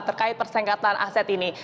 terkait persengketaan aset ini